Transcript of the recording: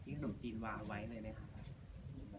ถึงวันนี้จะให้เกิดขึ้นอะไรอย่างนี้ค่ะ